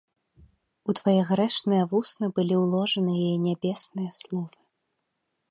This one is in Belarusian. У твае грэшныя вусны былі ўложаны яе нябесныя словы.